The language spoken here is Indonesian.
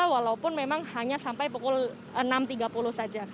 walaupun memang hanya sampai pukul enam tiga puluh saja